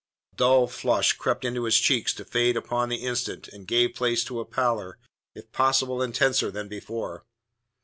A dull flush crept into his cheeks to fade upon the instant and give place to a pallor, if possible, intenser than before.